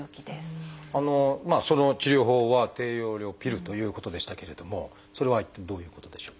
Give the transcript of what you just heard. その治療法は低用量ピルということでしたけれどもそれは一体どういうことでしょう？